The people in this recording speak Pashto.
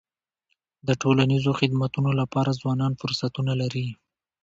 د ټولنیزو خدمتونو لپاره ځوانان فرصتونه لري.